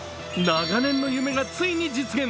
長年の夢がついに実現。